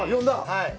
はい。